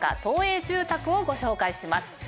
東栄住宅をご紹介します。